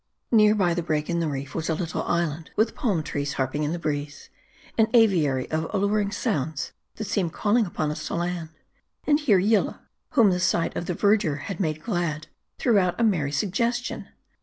Near by the break in the reef, was a little island, with palm trees harping in the breeze ; an aviary of alluring sounds, that seemed calling upon us to land. And here, Yillah, whom the sight of the verdure had made glad, threw out a merry suggestion.